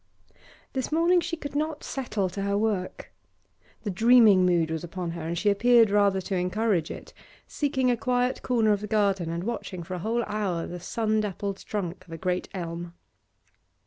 This morning she could not settle to her work. The dreaming mood was upon her, and she appeared rather to encourage it, seeking a quiet corner of the garden and watching for a whole hour the sun dappled trunk of a great elm.